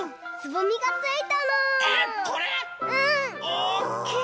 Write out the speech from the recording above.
おっきい！